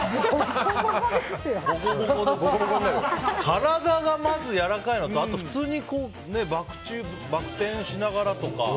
体がまずやわらかいのとあと、普通にバク転しながらとか。